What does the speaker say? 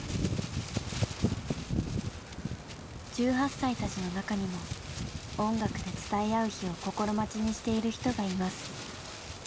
１８歳たちの中にも音楽で伝え合う日を心待ちにしている人がいます。